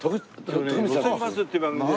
『路線バス』っていう番組で。